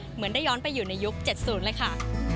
เหมือนได้ย้อนไปอยู่ในยุค๗๐เลยค่ะ